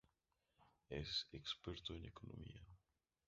Es experto en economía.